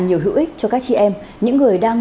nhiều hữu ích cho các chị em những người đang